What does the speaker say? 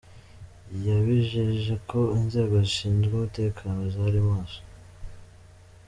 Yabijeje ko inzego zishinzwe umutekano ziri maso.